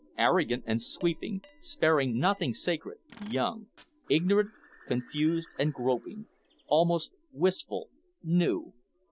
Arrogant and sweeping, sparing nothing sacred young. Ignorant, confused and groping, almost wistful new.